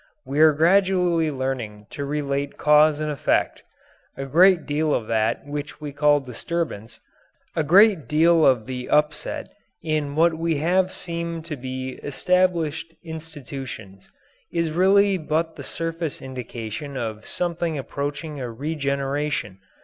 We are gradually learning to relate cause and effect. A great deal of that which we call disturbance a great deal of the upset in what have seemed to be established institutions is really but the surface indication of something approaching a regeneration.